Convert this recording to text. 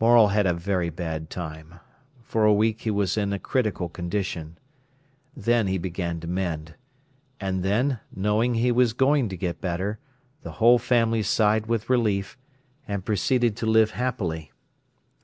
Morel had a very bad time. For a week he was in a critical condition. Then he began to mend. And then, knowing he was going to get better, the whole family sighed with relief, and proceeded to live happily.